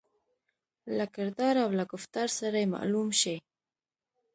له کردار او له ګفتار سړای معلوم شي.